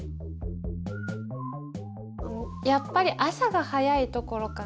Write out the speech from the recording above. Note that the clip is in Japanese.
やっぱり朝が早いところかな。